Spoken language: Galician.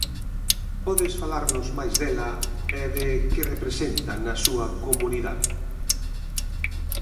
Podes falarnos máis dela e de que representa na súa comunidade?